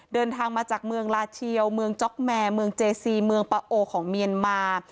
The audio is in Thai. เดินทางมาจากเมืองลาเชียวเมืองจ๊อกแมร์เมืองเจซีเมืองปะโอของเมียนมา